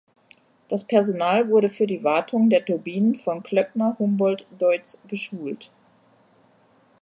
Das Personal wurde für die Wartung der Turbinen von Klöckner-Humboldt-Deutz geschult.